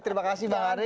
terima kasih bang haris